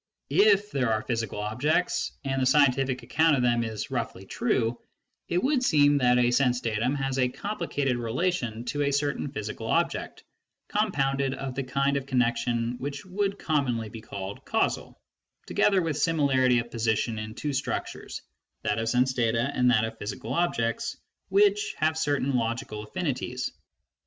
If there are physical objects, and the scientific account of them is roughly true, it would seem that a sense datum has a complicated relation to a certain physical object, compounded of the kind of connexion which would commonly be called causal, together with similarity of position in two structures (that of sense data and that of physical objects) which have certain 80 B. RUSSELL: logical affinities.